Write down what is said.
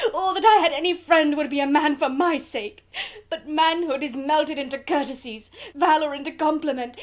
or that I had any friend, who would be a man for my sake! but valour is melted into courtesies and compliments.